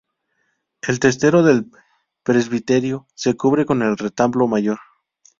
El testero del presbiterio se cubre con el retablo mayor.